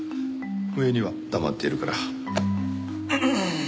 上には黙っているから。